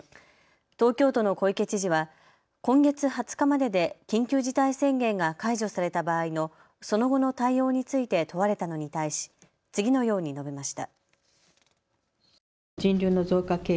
東京都の小池知事は今月２０日までで緊急事態宣言が解除された場合のその後の対応について問われたのに対し、次のように述べました。